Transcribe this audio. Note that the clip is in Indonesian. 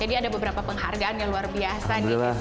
jadi ada beberapa penghargaan yang luar biasa